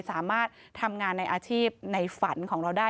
สามารถทำงานในอาชีพในฝันของเราได้